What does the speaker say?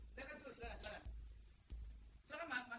dekat dulu silakan silakan